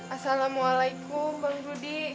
asalamu'alaikum bang rudi